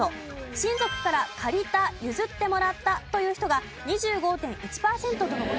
親族から借りた譲ってもらったという人が２５．１パーセントとの事です。